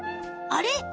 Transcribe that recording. あれ？